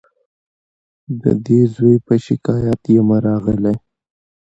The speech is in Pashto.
د دې زوی په شکایت یمه راغلې